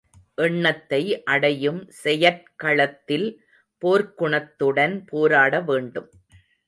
எண்ணத்தை அடையும் செயற்களத்தில் போர்க்குணத்துடன் போராட வேண்டும்.